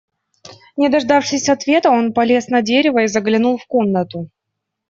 Не дождавшись ответа, он полез на дерево и заглянул в комнату.